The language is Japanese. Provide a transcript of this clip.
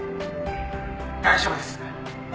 大丈夫です。